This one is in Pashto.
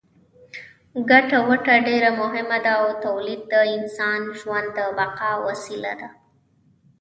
ګټه وټه ډېره مهمه ده او تولید د انساني ژوند د بقا وسیله ده.